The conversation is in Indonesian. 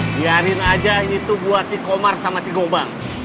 biarin aja ini tuh buat si komar sama si gobang